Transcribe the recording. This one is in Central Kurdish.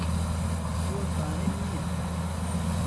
زۆر پارەی نییە.